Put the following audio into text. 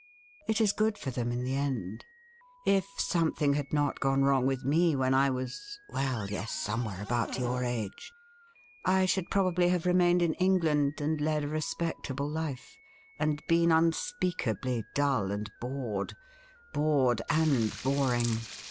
It is good for them in the end. If something had not gone wrong with me when I was — well, yes, somewhere about your age, I should probably have remained in England and led a respectable life, and been unspeakably dull and bored — bored and boring.